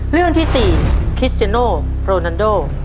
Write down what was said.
เรื่องที่สี่คริสเจโนโรนันโด